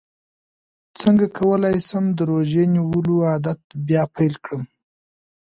څنګه کولی شم د روژې نیولو عادت بیا پیل کړم